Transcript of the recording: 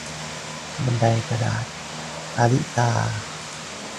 บันไดกระดาษ - อาริตา